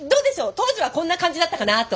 当時はこんな感じだったかなと。